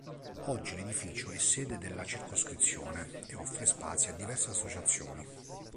Oggi l'edificio è sede della circoscrizione e offre spazi a diverse associazioni.